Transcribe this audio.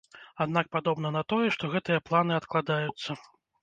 Аднак падобна на тое, што гэтыя планы адкладаюцца.